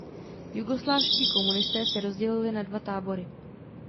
Jugoslávští komunisté se rozdělili na dva tábory.